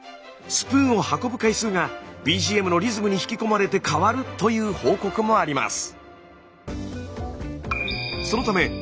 スプーンを運ぶ回数がＢＧＭのリズムに引き込まれて変わるという報告もあります。